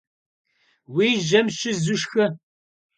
Уи жьэм щызу шхы.